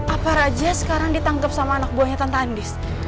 apa raja sekarang ditangkep sama anak buahnya tante andis